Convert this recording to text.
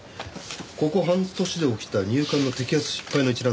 ここ半年で起きた入管の摘発失敗の一覧なんですが。